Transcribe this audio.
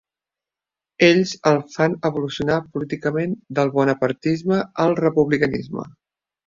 Ells el fan evolucionar políticament del bonapartisme al republicanisme.